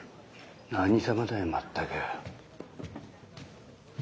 何様だよ全く。